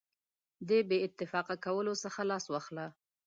د بې اتفاقه کولو څخه لاس واخله.